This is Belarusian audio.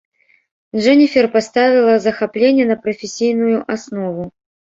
Джэніфер паставіла захапленне на прафесійную аснову.